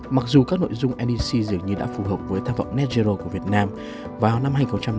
mặc dù các nội dung ndc dường như đã phù hợp với tham vọng net zero của việt nam vào năm hai nghìn hai mươi